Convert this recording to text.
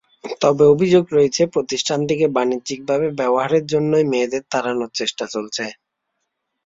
তবে অভিযোগ রয়েছে, প্রতিষ্ঠানটিকে বাণিজ্যিকভাবে ব্যবহারের জন্যই মেয়েদের তাড়ানোর চেষ্টা চলছে।